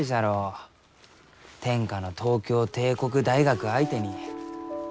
天下の東京帝国大学相手に。